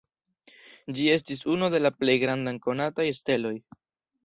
Ĝi estas unu de la plej grandaj konataj steloj.